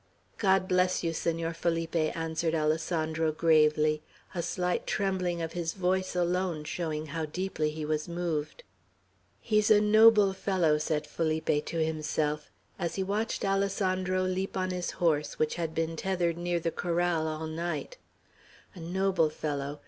"God bless you, Senor Felipe," answered Alessandro, gravely, a slight trembling of his voice alone showing how deeply he was moved. "He's a noble fellow," said Felipe to himself, as he watched Alessandro leap on his horse, which had been tethered near the corral all night, "a noble fellow!